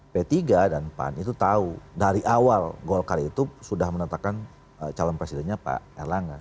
p tiga dan pan itu tahu dari awal golkar itu sudah menetapkan calon presidennya pak erlangga